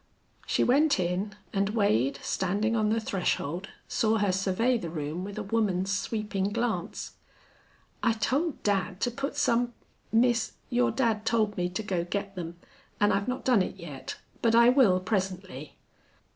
She went in, and Wade, standing on the threshold, saw her survey the room with a woman's sweeping glance. "I told dad to put some " "Miss, your dad told me to go get them, an' I've not done it yet. But I will presently."